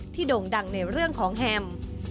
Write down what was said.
โด่งดังในเรื่องของแฮม